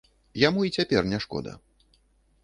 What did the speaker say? Яму і цяпер не шкода.